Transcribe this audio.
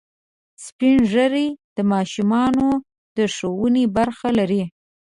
سپین ږیری د ماشومانو د ښوونې برخه لري